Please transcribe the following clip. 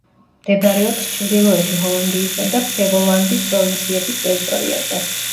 მდებარეობს ჩრდილოეთი ჰოლანდიისა და ფლევოლანდის პროვინციების ტერიტორიაზე.